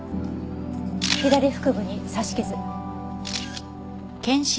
左腹部に刺し傷。